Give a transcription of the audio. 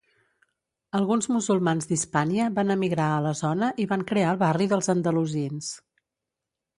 Alguns musulmans d'Hispània van emigrar a la zona i van crear el barri dels Andalusins.